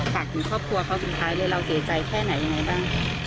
ฝากถึงครอบครัวเขาสุดท้ายเลยเราเสียใจแค่ไหนยังไงบ้าง